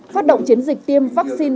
phát động chiến dịch tiêm vaccine